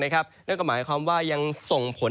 นั่นก็หมายความว่ายังส่งผล